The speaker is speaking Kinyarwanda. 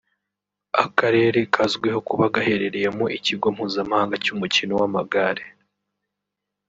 Akarere kazwiho kuba gaherereyemo ikigo mpuzamahanga cy’umukino w’amagare